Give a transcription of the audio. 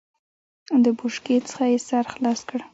له بوشکې څخه يې سر خلاص کړ.